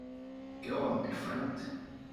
Go on, my friend.